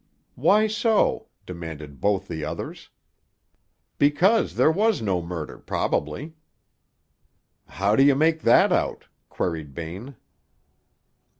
"Why so?" demanded both the others. "Because there was no murder, probably." "How do you make that out?" queried Bain.